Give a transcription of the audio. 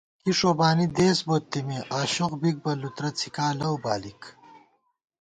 کی ݭوبانی دېس بوت تېمے ، آشوخ بِک بہ لُترہ څِھکا لَؤ بالِک